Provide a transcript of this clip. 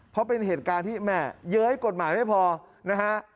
เพราะเป็นเหตุการณ์ที่แม่เย้ยกฎหมายไม่พอนะฮะ